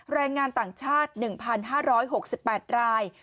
แรงงานต่างชาติ๑๕๖๘ราย